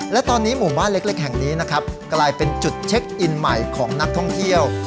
และตอนนี้หมู่บ้านเล็กแห่งนี้นะครับกลายเป็นจุดเช็คอินใหม่ของนักท่องเที่ยว